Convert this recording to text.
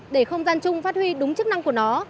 để không gian chung phát huy đúng chức năng của nó